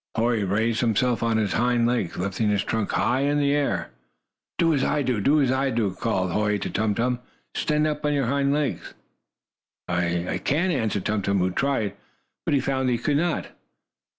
Hoy raised himself up on his hind legs, lifting his trunk high in the air. "Do as I do! Do as I do!" called Hoy to Tum Tum. "Stand up on your hind legs." "I I can't!" answered Tum Tum, who tried. But he found he could not.